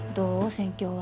戦況は。